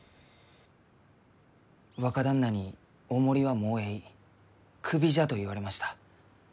若旦那に「お守りはもうえいクビじゃ」と言われました。